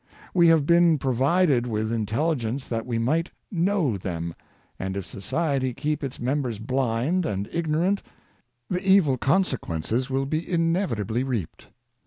We have been pro vided with intelligence that we might know them, and if society keep its members blind and ignorant, the evil consequences will be inevitably reaped.